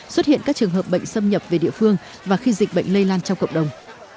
xuất hiện các trường hợp bệnh xâm nhập về địa phương và khi dịch bệnh lây lan trong cộng đồng